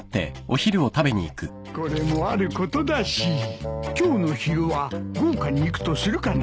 これもあることだし今日の昼は豪華にいくとするかな。